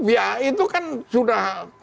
ya itu kan sudah